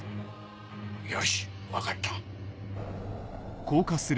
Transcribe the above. よし分かった。